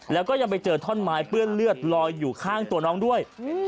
แล้วก็ยังไปเจอท่อนไม้เปื้อนเลือดลอยอยู่ข้างตัวน้องด้วย